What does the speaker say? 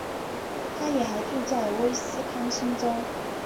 她也还住在威斯康星州。